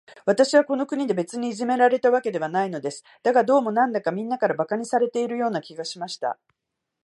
私はこの国で、別にいじめられたわけではないのです。だが、どうも、なんだか、みんなから馬鹿にされているような気がしました。